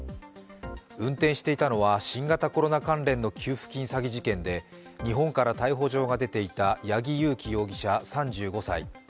運転していたのは、新型コロナ関連の給付金詐欺事件で、日本から逮捕状が出ていた八木佑樹容疑者３５歳。